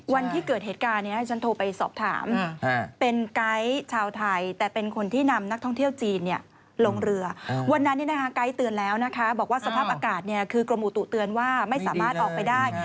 ว่าสภาพอากาศเนี่ยคือกระหมูตุเตือนว่าไม่สามารถออกไปได้